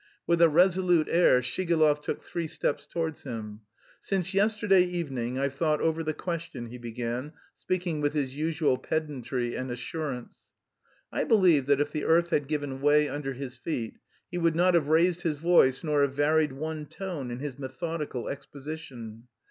With a resolute air Shigalov took three steps towards him. "Since yesterday evening I've thought over the question," he began, speaking with his usual pedantry and assurance. (I believe that if the earth had given way under his feet he would not have raised his voice nor have varied one tone in his methodical exposition.)